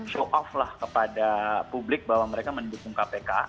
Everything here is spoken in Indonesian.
show off lah kepada publik bahwa mereka mendukung kpk